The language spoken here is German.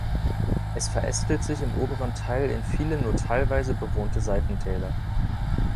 Es verästelt sich im oberen Teil in viele nur teilweise bewohnte Seitentäler.